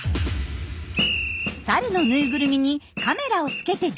サルのぬいぐるみにカメラをつけて実験。